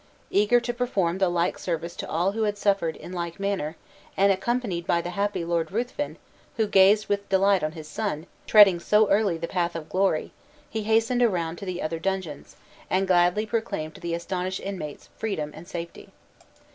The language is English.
Eager to perform the like service to all who had suffered in like manner, and accompanied by the happy Lord Ruthven (who gazed with delight on his son, treading so early the path of glory), he hastened around to the other dungeons; and gladly proclaimed to the astonished inmates, freedom and safety.